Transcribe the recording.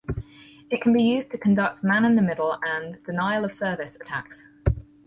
It can be used to conduct man-in-the-middle and denial-of-service attacks.